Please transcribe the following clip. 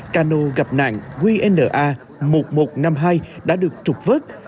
cano gặp nạn qna một nghìn một trăm năm mươi hai đã được trục vớt